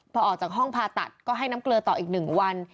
พอออกจากห้องผ่าตัดก็ให้น้ำเกลือต่ออีก๑วัน